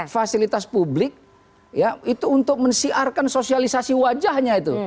fasilitas publik ya itu untuk mensiarkan sosialisasi wajahnya itu